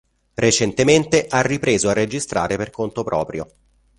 Recentemente ha ripreso a registrare per conto proprio.